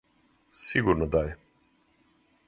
Сигурно да је!